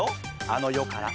あの世から。